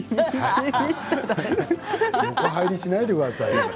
横入りしないでくださいよ。